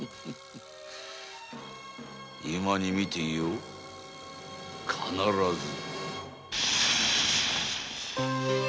今に見ていよ必ず。